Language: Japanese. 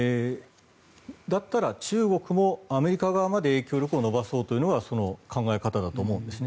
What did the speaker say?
だったら、中国もアメリカ側まで影響力を伸ばそうというのがその考え方だと思うんです。